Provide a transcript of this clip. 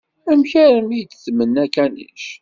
Amek armi i d-tmenna akanic?